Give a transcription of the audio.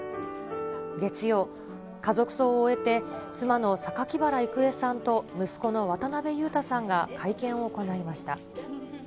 月曜、家族葬を終えて、妻の榊原郁恵さんと息子の渡辺裕太さんが会見を行いました。